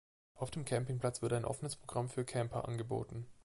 Auf dem Campingplatz wird ein offenes Programm für Camper angeboten.